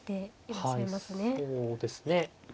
はいそうですね。